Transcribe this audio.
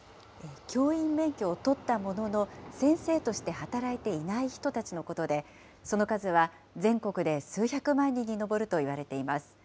教員免許を取ったものの、先生として働いていない人たちのことで、その数は全国で数百万人に上るといわれています。